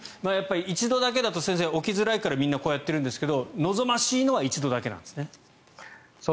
一度だけだと起きにくいからみんなこうやっているんですけど望ましいのはそうですね。